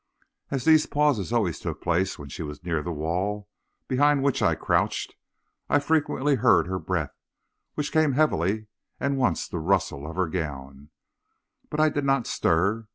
As these pauses always took place when she was near the wall behind which I crouched, I frequently heard her breath, which came heavily, and once the rustle of her gown. But I did not stir.